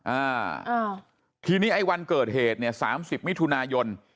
อ่าทีนี้ไอ้วันเกิดเหตุเนี่ยสามสิบมิถุนายน